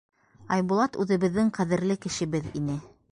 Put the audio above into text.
Айбулат үҙебеҙҙең ҡәҙерле кешебеҙ ине.